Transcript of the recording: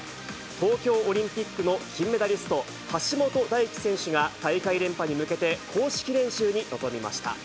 東京オリンピックの金メダリスト、橋本大輝選手が大会連覇に向けて、公式練習に臨みました。